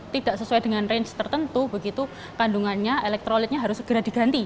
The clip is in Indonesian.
tidak sesuai dengan range tertentu begitu kandungannya elektrolitnya harus segera diganti